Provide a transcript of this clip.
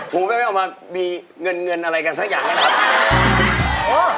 ผมก็ไม่ออกมามีเงินอะไรกันสักอย่างกันนะ